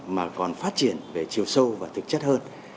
mà còn phát triển về chiều sâu và thực chất hơn